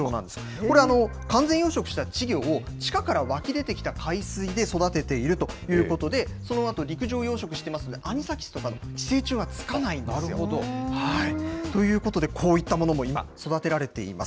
これ、完全養殖した稚魚を地下から湧き出てきた海水で育てているということで、そのあと陸上養殖してますんで、アニサキスとかのなるほど。ということでこういったものも今、育てられています。